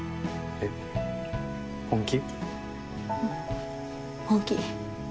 えっ本気？